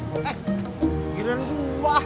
eh kiriran gua